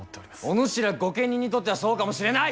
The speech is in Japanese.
おぬしら御家人にとってはそうかもしれない。